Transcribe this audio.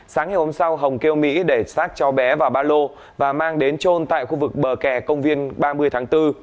sáng ngày hôm sau hồng kêu mỹ để xác cho bé vào ba lô và mang đến trôn tại khu vực bờ kè công viên ba mươi tháng bốn